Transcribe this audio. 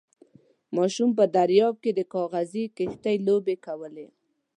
ماشوم په درياب کې د کاغذي کښتۍ لوبې کولې.